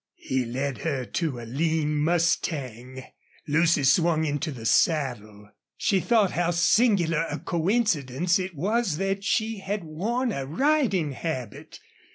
He led her to a lean mustang. Lucy swung into the saddle. She thought how singular a coincidence it was that she had worn a riding habit.